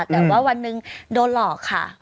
แต่ว่าวันหนึ่งโดนหลอกค่ะ